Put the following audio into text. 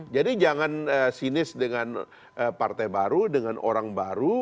jadi jangan sinis dengan partai baru dengan orang baru